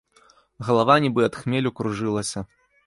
Галава, нібы ад хмелю, кружылася.